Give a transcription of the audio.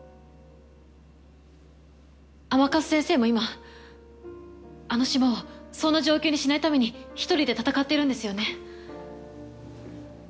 甘春先生も今あの島をそんな状況にしないために一人で闘ってるんですよね。